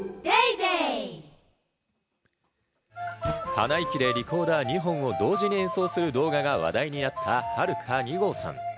鼻息でリコーダー２本を同時に演奏する動画が話題になった、はるか２号さん。